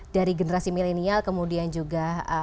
dari generasi milenial kemudian juga